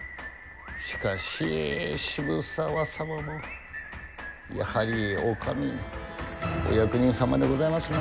しかし、渋沢様もやはりお上のお役人様でございますな。